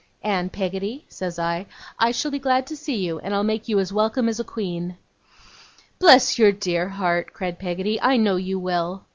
'And, Peggotty,' says I, 'I shall be glad to see you, and I'll make you as welcome as a queen.' 'Bless your dear heart!' cried Peggotty. 'I know you will!